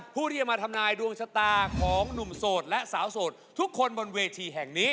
ผู้ที่จะมาทำนายดวงชะตาของหนุ่มโสดและสาวโสดทุกคนบนเวทีแห่งนี้